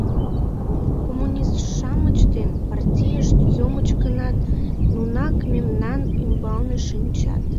Коммунист-шамыч ден партийышт йомыч гынат, нунак мемнан ӱмбалне шинчат.